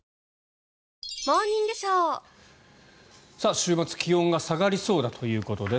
週末、気温が下がりそうだということです。